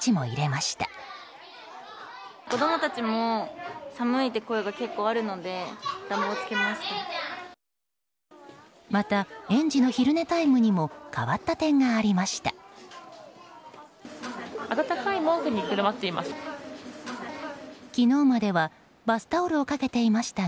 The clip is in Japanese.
また園児の昼寝タイムにも変わった点がありました。